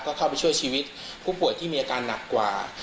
ก็เข้าไปช่วยชีวิตผู้ป่วยที่มีอาการหนักกว่า